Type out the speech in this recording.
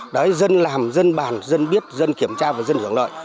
đấy dân làm dân bàn dân biết dân kiểm tra và dân hưởng lợi